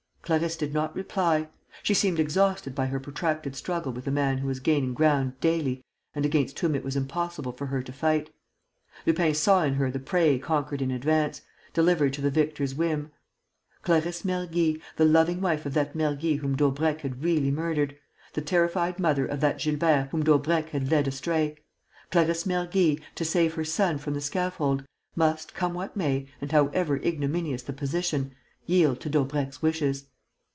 Clarisse did not reply. She seemed exhausted by her protracted struggle with a man who was gaining ground daily and against whom it was impossible for her to fight. Lupin saw in her the prey conquered in advance, delivered to the victor's whim. Clarisse Mergy, the loving wife of that Mergy whom Daubrecq had really murdered, the terrified mother of that Gilbert whom Daubrecq had led astray, Clarisse Mergy, to save her son from the scaffold, must, come what may and however ignominious the position, yield to Daubrecq's wishes.